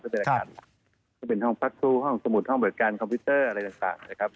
เป็นอาคารซึ่งเป็นห้องพักสู้ห้องสมุดห้องบริการคอมพิวเตอร์อะไรต่างนะครับ